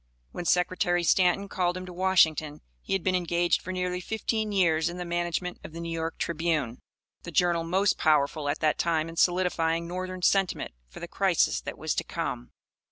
When Secretary Stanton called him to Washington he had been engaged for nearly fifteen years in the management of the New York Tribune, the journal most powerful at that time in solidifying Northern sentiment for the crisis that was to come.